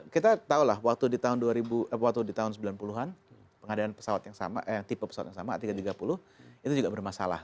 kita tahulah waktu di tahun dua ribu waktu di tahun sembilan puluh an pengadaan pesawat yang sama tipe pesawat yang sama a tiga ratus tiga puluh itu juga bermasalah